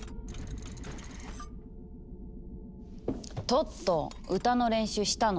トット歌の練習したの？